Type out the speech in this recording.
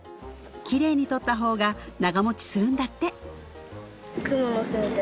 きれいに取った方が長もちするんだって